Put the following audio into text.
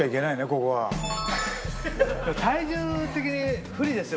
ここは体重的に不利ですよ